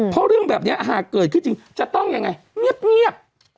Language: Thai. เพราะเรื่องแบบนี้หากเกิดขึ้นจริงจะต้องยังไงเงียบ